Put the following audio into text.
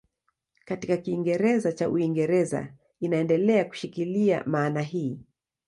Katika Kiingereza cha Uingereza inaendelea kushikilia maana hii.